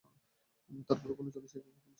তারপর কোন জলাশয়ে গিয়া আপাদমস্তক কাদা মাখেন।